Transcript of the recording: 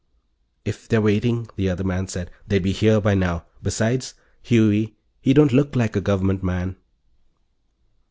"If they're waiting," the other man said, "they'd be here by now. Besides, Huey, he don't look like a Government man."